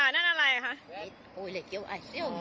ค่ะนั่นอะไรอ่ะค่ะ